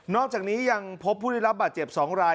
อกจากนี้ยังพบผู้ได้รับบาดเจ็บ๒ราย